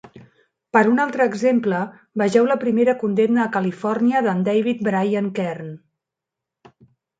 Per un altre exemple, vegeu la primera condemna a Califòrnia, d"en David Brian Kern.